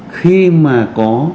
khi mà có